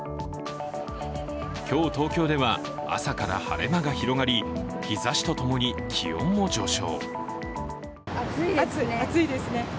今日東京では朝から晴れ間が広がり日ざしとともに気温も上昇。